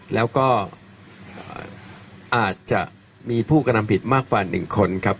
แล้วก็อาจจะมีผู้กระทำผิดมากกว่า๑คนครับ